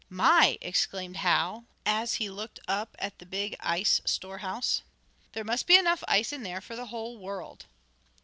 "My!" exclaimed Hal, as he looked up at the big ice store house. "There must be enough ice in there for the whole world!"